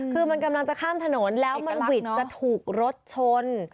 คือมันกำลังจะข้ามถนนแล้วมันหวิดจะถูกรถชน